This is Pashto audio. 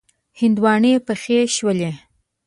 هندواڼی پخې شولې.